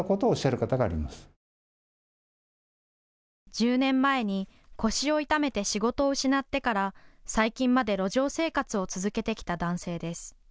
１０年前に腰を痛めて仕事を失ってから、最近まで路上生活を続けてきた男性です。